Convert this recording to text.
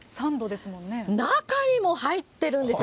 中にも入ってるんですよ。